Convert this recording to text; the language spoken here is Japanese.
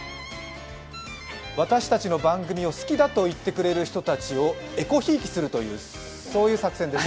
私たちの番組を好きだと言ってくれる人たちをえこひいきするという、そういう作戦です。